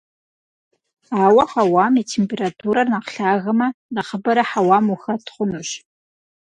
Ауэ хьэуам и температурэр нэхъ лъагэмэ, нэхъыбэрэ хьэуам ухэт хъунущ.